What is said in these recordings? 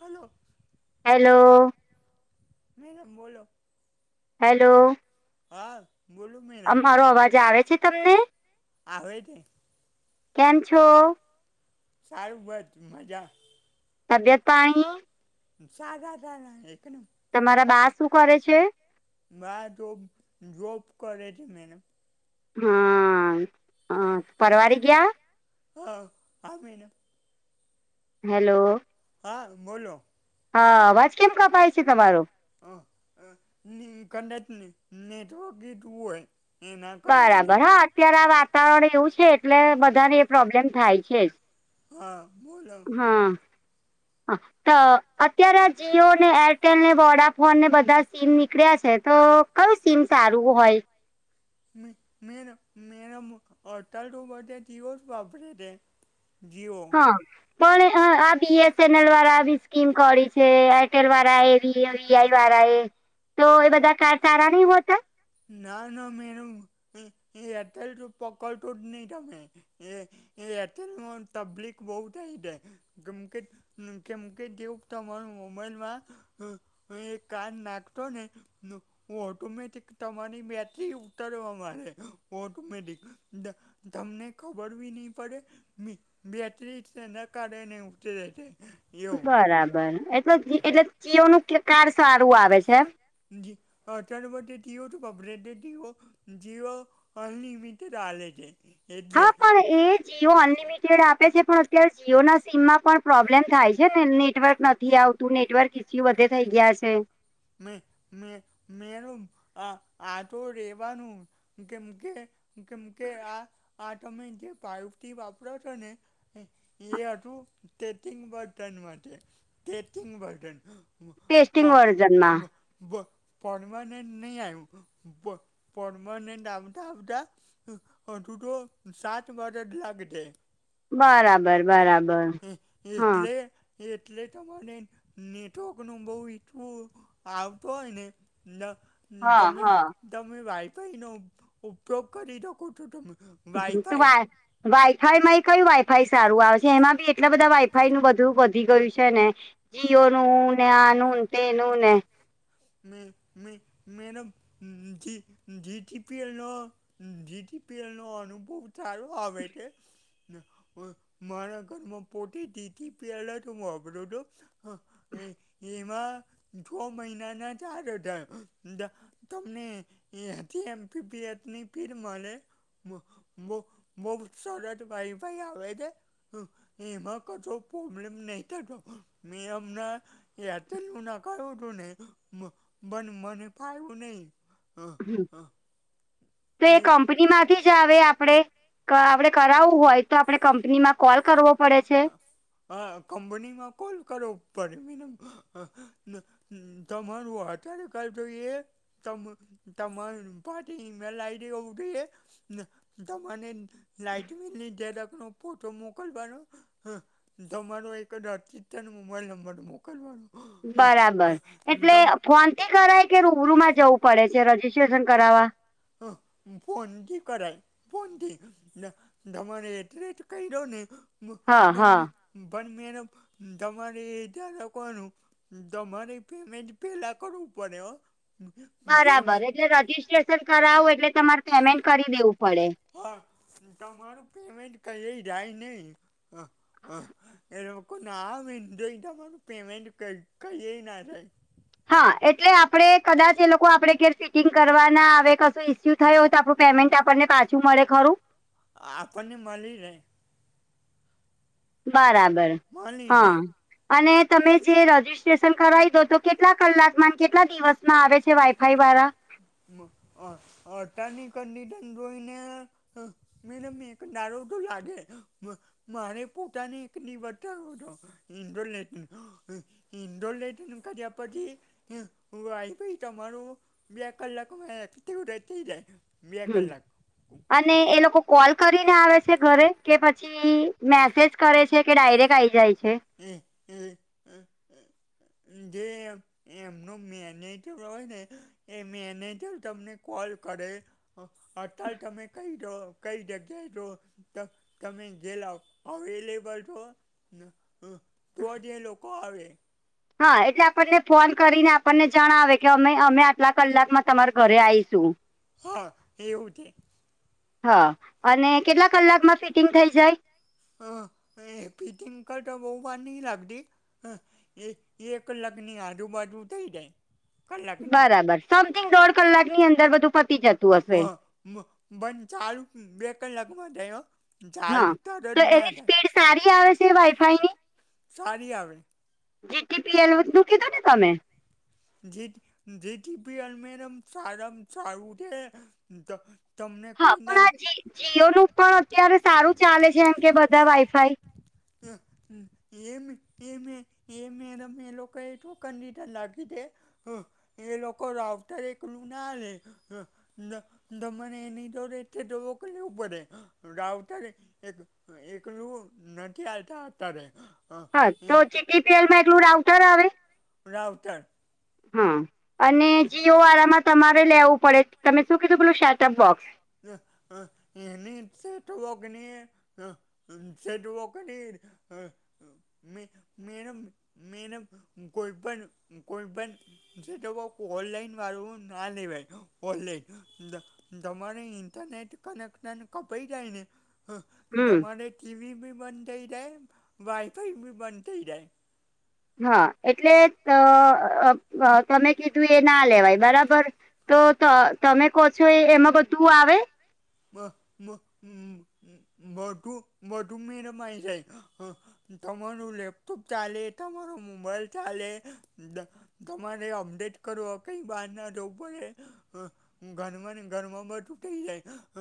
Hello. Hello. Madam બોલો. Hello. હા. [unintelligible] આમ મારો અવાજ આવે છે તમને? આવે છે. કેમ છો? સારું બસ મજા. તબિયત પાણી? સાઝા તા એકદમ. તમારા બા શું કરે છે? બા તો જોબ કરે છે મેડમ. હા હા પરવારી ગયા. હા હા મેડમ. હેલો. હા બોલો. હા અવાજ કેમ કપાય છે તમારો? અ કદાચ નેટવર્ક ઈ ટુ હોય. એના કારણે બરાબર હા અત્યારે આ વાતાવરણ એવું છે એટલે બધાને એ પ્રોબ્લેમ થાય છે જ. હા બોલો. હા. તો અત્યારે આ જીઓ, ને એરટેલ ને વોડાફોન ને બધા સીમ નીકળ્યા છે તો, કયું સિમ સારું હોય? મે મે મેરો અડતાળતો બધા જિયો જ વાપરે છે. જીયો. પણ આ બીએસએનએલ વાળા આવી સ્કીમ કરીડી છે એરટેલ વાળાએ, વીઆઈ વાળા એ તો એ બધા કાડ સારા નહી હોતા? ના ના મેડમ એ એરટલ તો પકડતો જ નહીં તમે, એ એરતલ મા તબલીક બઉ થાય છે કેમકે, કેમકે દેવું તમારું મોબાઈલમાં એક કાડ નાખતો ને, ન ઓટોમેટિક, તમારી બેટરી ઉતરો મારે ઓટોમેટિક, તમને ખબર બી નહી પડે, બેટરી સેના કારણેને ઉટરે છે. એવું બરાબર એટલે એટલે જીઓનું કે કાર સારું આવે છે. જી અત્યારે તો બધે જીઓ જ વપરાય ટીઓ, જિયો અનલિમિટેડ આલે છે. એટલે હા પણ એ જીયો અન લિ લિમિટેડ આપે છે પણ અત્યારે જીઓ ના સીમમાં પણ પ્રોબ્લેમ થાય છે ને નેટવર્ક નથી આવ તું નેટવર્ક ઈ વધે થઇ ગયા છે. મે મે મે [unintelligible] આ આટો રેવારનું, કેમકે કેમકે આટોમે જે [unintelligible] વાપરો છો ને, એ હતું તેટિંગ બર્તન માટે તેટિંગ બર્તન, ટેસ્ટિંગ વર્ઝનમાં [unintelligible] પરમનેન્ટ નહીં આવું પર પરમનેન્ટ આવતા આવતા. [unintelligible] સાત વાગે લાગટે, બરાબર બરાબર, હ હા એટલે એટલે તમારે નેટવર્ક નું બહુ ઇચુ, આવતો હોયને ને લ હા તમે હા તમે વાઈફાઈનો ઉપયોગ કરી શકો છો તમે, તો વાઈફાઈ વા વાઈફાઇ મા કયુ વાઈ ફાઈ સારું આવે છે એમાં બી એટલા બધા વાઈફાઈ નું બધું વધી ગયું છે ને જીઓ નું ને આનું તે નું ને, મે મે મેડમ જી જીટીપી એનો- - જીટીપી નો અનુભવ ચાર આવેતે- - મારા ઘરમાં પોતે જીટીપી પ્યાલા જ વાપરો દો- - હ એ એમાં છ મહિનાના ચાર હજાર. તમને એથી એમીએ ની ફીડ મળે. બહુ સોલેડ વાઇફાઇ આવે છે. એમાં કશો પ્રોબ્લેમ નહીં થતો મેં હમણાં- - એરતેલ નુ નખાયુ ઉ તું નને- - મ પણ મને પાયું નહીં હ હ- - તો એ કંપની માં- - થી જ આવે આપડે કે આપડે કરાવું હોય તો આપડણે કંપની માં કોલ કરવો- - હા કંપનીમાં કોલ કરો પડે મેડમ હ ન- - હ તમારું આધાર કાર્ડ જોઈએ. તમ તમામ પાર્ટ ઇમેલ આઈડી હોવું જોઈએ. તમને લાઈટ બિલની ઝેરોક્ષનો ફોટો મોકલવાનો હા તમારો એક જ અતિત્યનો મોબાઈલ નંબર મોકલવાનો. બરાબર એટલે તમ ફોન થી કરાય કે રૂબરૂ જવું પડે રજીસ્ટ્રેશન કરાવવા? હ ફોનથી કરાય ફોનથી. ન તમારે એડરેસ કહી દો ને હા મન હા પણ મેડમ તમારે ધારકોનું તમારે પેમેન્ટ પેલા કરવું પડે હો. બરાબર પેમેન્ટ એટલે રજીિસ્ટ્રેશન કરાવું એટલે તમારે પેમેન્ટ કરી દેવું પડે. હા તમારું પેમેન્ટ કઈ જાય નહી. હા હા એનો કોના [unintelligible] તમારું પેમેન્ટ કઈ કઈએ ના જાય. હા એટલે આપડે કદાચ એ લોકો આપે ઘેર ફિટિંગ કરવા ના આવે કશું ઈસ્યુ થયો તો આપણું પેમેન્ટ આપણને પાછું મળે ખરું? આપણને મલી રે. બરાબર મળી રહે હા. અને તમે જે રજીિસ્ટ્રેશન કરાવી દો તો કેટલા કલાકમાં કેટલા દિવસ? માં આવે છે વાઈફાઈ વાળા? મ અ અતારની કન્ડીશન જોઈને મેડમ એક દાડો તો લાગે મારે પોતાને એક [unintelligible] ઇન્ટોલેશન ઇન્ટોલેશન કર્યા પછી વાઇફાઇ તમારું બે કલાકમાં એક્ટિવેટ થઈ જાય. બે હમ કલાક અને એ લોકો કોલ કરીને આવે છે ઘરે કે પછી પછી મેસેજ કરે છે કે ડાયરેક્ટ આઈ જાય છે? હ હ હ જે એમનો મેનેજર હોય ને એ મેનેજર તમને કોલ કરે. અતાર તમે કઈ છો કઈ જગ્યાએ છો તમે ઘેલ અવેલેબલ છો ને? હ તો જ લોકો આવે. હા એટલે આપણને ફોન કરીને આપણને જણાવે કે અમે અમે આટલા કલાકમાં તમારા ઘરે આયીશું. હા એવું છે. હા અને કેટલા કલાકમાં ફિટિંગ થઈ જાય? હ એ ફિટિંગ કરતાં બોવ વાર નહીં લાગતી. હ એ એક કલાકની આજુબાજુ થઈ જાય. કલાકની બરાબર સમથિંગ દોઢ કલાકની અંદર બધું પતી જતું હ, હશે પણ ચાલુ બે કલાકમાં થાય હો. હા ચાલુ તરત તો ના એની થાય સ્પીડ સારી આવે છે વાઈફાઈની? સારી આવે. જીટીપીએલ વસ્તુ કીધું ને તમે. જીટી જીટીપીએલ મેડમ સારમાં સારુ છે તમને હા કોઈ પણ ના આ જ જીઓનું પણ અત્યારે સારું ચાલે છે એમ કે બધા વાઈફાઈ. [inaudible] એ એમ એમે મેડમ એ લોકો એ ટોકન [unintelligible] હ, એ લોકો રાઉટર એકલું ના લે હ. મને એની તો રે તોક લેવું પડે રાવત એક. એકલુ નથી આલતા અતારે. હા, તો જીટીપીએલમાં એટલું રાાઉટર આવે. રાવતર. હા, અને જીઓ વાળામાં તમારે લેવું પડે, તમે શું કીધું પેલું સેટઅપ બોક્સ. હ, હ, એની સેઠું હગ ની હ. હ [unintelligible] હ. મે મેડમ મેડમ કોઈપણ કોઈપણ જે તો બ ઓનલાઈન વાળુ ના લેવાઈ ઓનલાન દ દમ. તમારે ઇન્ટરનેટ કનેક્શન કપાઈ જાયને હ હમ તમારે ટીવી બી બંધ થઈ જાય, વાઇફાઇ બી બંધ થઈ જાય. હા, એટલે ત અ અ તમે કીધું એ ના લેવાય બરાબર. તો ત તમે કહો છો એ એમાં બધું આવે? બબ, બધુ બધુ મેડમ આવી જાય હ. તમારો લેપટોપ ચાલે, તમારો મોબાઈલ ચાલે દ. તમારે અપડેટ કરવા કઈ બહાર ના જવુ પડે હ. ઘરમાંને ઘરમાં બધું થઇ જાય.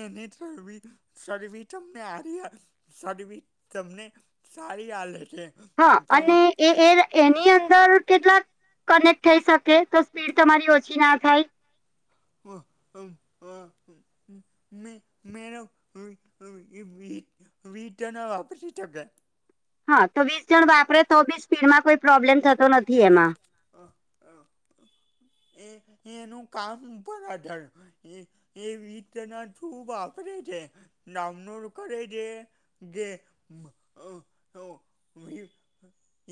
એની તરવી શરવી તમને હારી આ શરવી તમને સારી આલે છે. હા, અને તમે એ એ લ એની અંદર કેટલાક કનેક્ટ થઈ શકે, તો સ્પીડ તમારી ઓછી ના થાય. હ હ હ મે મેડમ [unintelligible] વીટ વીટના વાપરી. [unintelligible] હા, તો વીસ જણ વાપરે તો બી સ્પીડમાં કોઈ પ્રોબ્લેમ થતો નથી એમાં. એ એનું કામ ઉપર આઢાર. એ એ વિતના ઠું વાપરે છે. નામનો કરે છે જે મ અહ અહ યું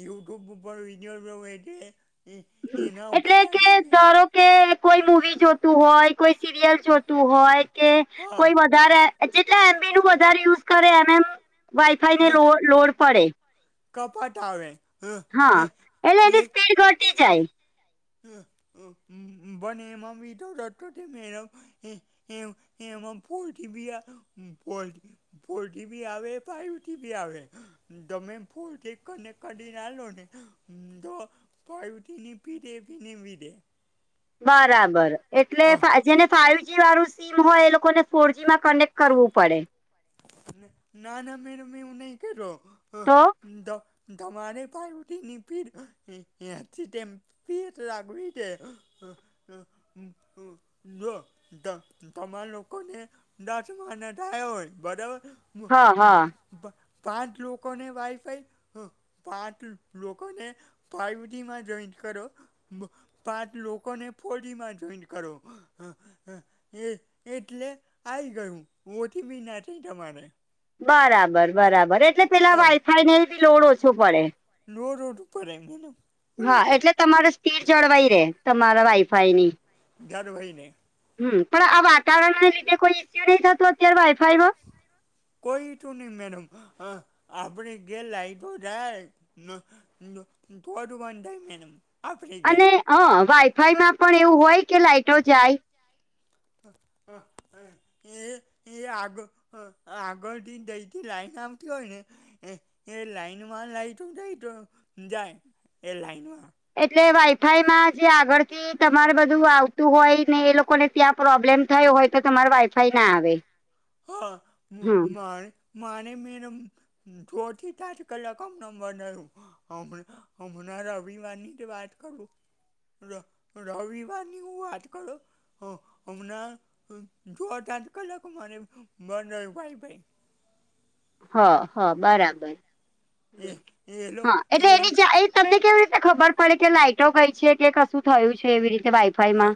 યુટ્યુબ ઉપર વિડીયો જોવે છે એ એના ઉપર એટલે આ કે ધારો કે કોઈ મુવી જોતું હોય, કોઈ સિરિયલ જોતું હોય કે હા કોઈ બધ વધારે જેટલે એમબી નું વધારે યુઝ કરે એમ એમ વાઈફાઈ ને લો લોડ પડે. કપટ આવે. હા, એટલે એની સ્પીડ ઘટી જાય. હ હ બંનેમાં [unintelligible] રતો થી મેડમ. હ હ હ પોલટ્રી બયા પોલટ ફોર ટી બી આવે ફાઇવ ટી બી આવે. તમે ફૂલ થી કને કાઢી ને આલો ને તો ફાઇવ ટી બી ની પીડ એવીને એવી રે. બરાબર એટલે ફા જેને ફાઈવજી વાળું સ સીમ હોય એ લોકોને ફોરજી માં કનેક્ટ કરવું પડે. ને ના ના મેડમ એવું નઈ કરો હ. તો ડો તમારે ફાઈવ ટી ની પીડ [unintelligible] [unintelligible] જો તમારા લોકોને [unintelligible] બરાબર હા હા [unintelligible] પાંચ લોકોને વાઈફાઈ હહ પાંચ લોકોને ફાઈવજીમાં જોઈન્ટ કરો. પાંચ લોકોને ફોરજીમાં જોઇન્ટ કરો. હહ એ એટલે આઈ ગયુ [unintelligible] તમારે બરાબર બરાબર. એટલે પેલા વાઈફાઈ ને બી લોડ ઓછો પડે. લોડ ઓછો પડે [unintelligible] હા એટલે તમારે સ્પીડ જળવાઈ રહેે તમારા વાઈફાઈની. જળવાઈ ને. હમ પણ આ વાતાવરણના લીધે કોઈ ઇસ્યુ નઈ થતું અત્યારે વાઈફાઈમાં? કોઈ તું નહી મેડમ. હ આપણે ઘેર લાઈટો જાય. [inaudible] તો જ બંધ થાય મેડમ. આપણે ઘેર અને હા વાઈફાઈમાં પણ એવું હોય કે લાઈટો જાય? હહ હહ હહ એ એ આગ આગળથી જઈથી લાઈટ આવતી હોય ને એ એ લાઈનમાં લાઈટું જાય તો જાય એ લાઈનમાં. એટલે વાઈફાઈમાં જે આગળથી તમારે બધું આવતું હોય ને એ લોકોને ત્યાં પ્રોબ્લેમ થયો હોય તો તમારે વાઈફાઈ ના આવે. હા મું હમ માય મારે મેડમ [unintelligible] હમણાં બંધ આયુ. હમે હમણાં રવિવારની જ વાત કરું. ર રવિવારની હું વાત કરું. હહ હમણાં છ સાત કલાક મારે બંધ આયુ વાઇફાઇ. હ હ બરાબર એ એ લો હા એટલે એ એની [unintelligible] તમને કેવી રીતે ખબર પડે કે લાઈટો ગઈ છે કે કશું થયું છે એવી રીતે વાઈ હા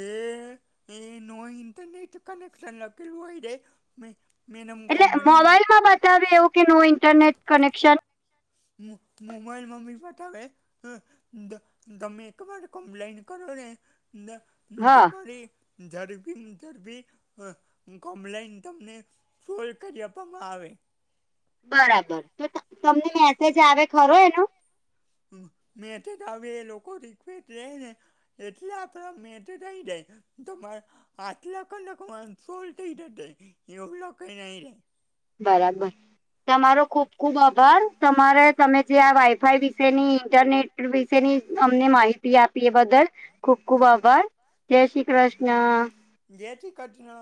એ એ નો ઇન્ટરનેટ કનેક્શન લખેલું હોય ને [inaudible] એટલે મોબાઈલમાં બતાવે એવું કે નો ઇન્ટરનેટ કનેક્શન? મો મોબાઈલમાં બી બતાવે. હ ત તમે એકવાર કમ્પ્લેન કરો ને [unintelligible] હા તમારી ઝડપીને ઝડપી કમ્પ્લેન તમને ફોલ કરી આપવામાં આવે. બરાબર. તો તમ તમને મેસેજ આવે ખરો એનો? મેસેજ આવે લોકો રિક્વેસ્ટ [inaudible] એટલે આપડમાં મેસેજ આઈ જાય. તમાર આટલા કલાકમાં સોલ થઈ જશે. એવું લખાઈને આઈ જાય. બરાબર. તમારો ખુબ ખુબ આભાર. તમારે તમે જે આ વાઈફાઈ વિશેની ઇન્ટરનેટ વિશેની અમને માહિતી આપી એ બદલ ખુબ ખુબ આભાર. જય શ્રી કૃષ્ણ. જય શ્રી કૃષ્ણ.